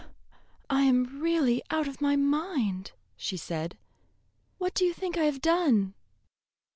"I am really out of my mind," she said. "What do you think I have done?"